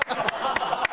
ハハハハ！